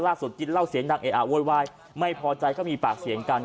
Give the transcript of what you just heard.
ล่าสุดจิ๊ดเล่าเสียงดังเอออ้าววดวายไม่พอใจก็มีปากเสียงกัน